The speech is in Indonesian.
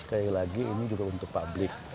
sekali lagi ini juga untuk publik